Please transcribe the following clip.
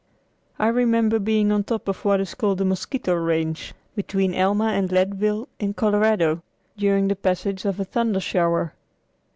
I remember being on top of what is called the Mosquito Range, between Alma and Leadville in Colorado, during the passage of a thunder shower.